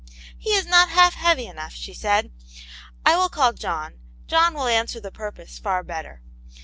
" He is not half heavy enough," she said ;" I will call John ; John will answer the purpose far better.